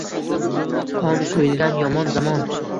Qon quyilgan yomon zamon